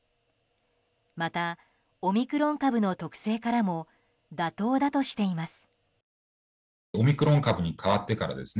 また、オミクロン株の特性からも妥当だとしています。